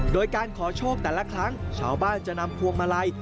โดยการขอโชคแต่ละครั้งชาวบ้านจะนำพวงมาลัย